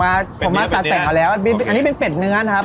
อันนี้ผมมาตาแต่งออกแล้วอันนี้เป็นเป็ดเนื้อนะครับ